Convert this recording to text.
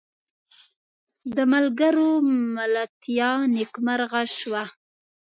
د ملګرو ملتیا نیکمرغه شوه.